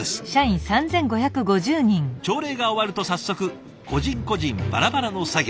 朝礼が終わると早速個人個人バラバラの作業。